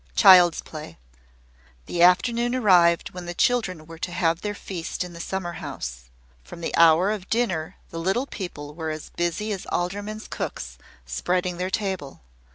CHILD'S PLAY. The afternoon arrived when the children were to have their feast in the summer house. From the hour of dinner the little people were as busy as aldermen's cooks, spreading their table.